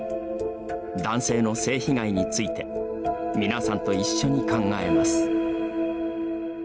男性の性被害について皆さんと一緒に考えます。